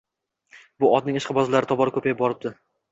Bu otning ishqibozlari tobora ko‘payib boribdi